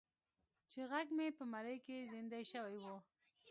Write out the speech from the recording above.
چې غږ مې په مرۍ کې زیندۍ شوی و.